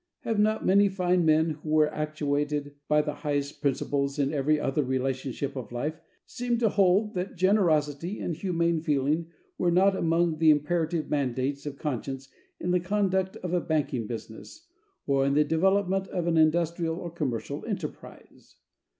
Have not many fine men who were actuated by the highest principles in every other relationship of life seemed to hold that generosity and humane feeling were not among the imperative mandates of conscience in the conduct of a banking business, or in the development of an industrial or commercial enterprise?